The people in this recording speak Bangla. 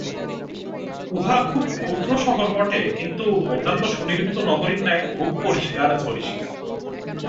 উহা খুব ক্ষুদ্র শহর বটে, কিন্তু অন্যান্য সুনির্মিত নগরীর ন্যায় খুব পরিষ্কার-ঝরিষ্কার।